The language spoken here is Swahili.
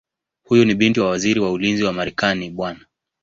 Huyu ni binti wa Waziri wa Ulinzi wa Marekani Bw.